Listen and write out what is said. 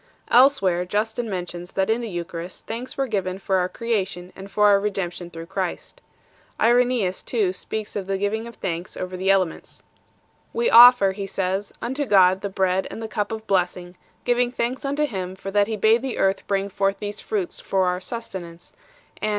Elsewhere Justin mentions 3 that in the Eucharist thanks were given for our creation and for our redemption through Christ. Irenseus too speaks of the giving of thanks over the elements. " We offer," he says, " unto God the bread and the cup of blessing, giving thanks unto Him for that He bade the earth bring forth these fruits for our sustenance ; and...